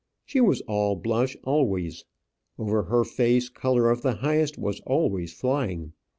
She was all blush always. Over her face colour of the highest was always flying.